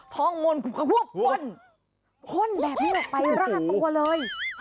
ทองมนผ่นแบบนี้ออกไปลาดตัวเลย